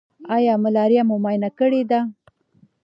ایا ملاریا مو معاینه کړې ده؟